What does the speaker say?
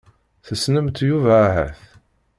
Tessnemt Yuba ahat?